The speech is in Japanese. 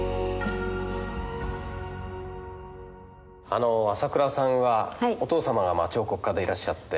あの朝倉さんはお父様が彫刻家でいらっしゃって。